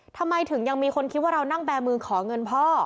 ทำไมถึงยังมีคนคิดว่าเรานั่งแบร์มือขอเงินพ่อ